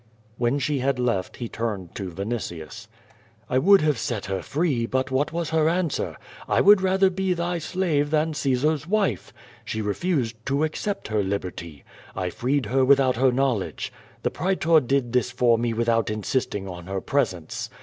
When she had left he turned to Vinitius. "I would have set her free, but what was her answer? T would rather be thy slave than Caesar's wife.' She refused to accept her liberty. I freed her without her knowledge. The praetor did this for me without insisting on her pres ence.